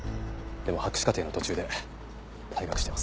でも博士課程の途中で退学してます。